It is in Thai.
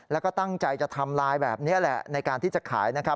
แล้วก็ตั้งใจจะทำลายแบบนี้แหละในการที่จะขายนะครับ